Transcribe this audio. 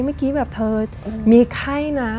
เมื่อกี้แบบเธอมีไข้นะ